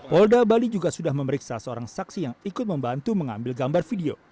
polda bali juga sudah memeriksa seorang saksi yang ikut membantu mengambil gambar video